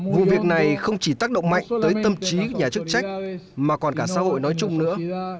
vụ việc này không chỉ tác động mạnh tới tâm trí nhà chức trách mà còn cả xã hội nói chung nữa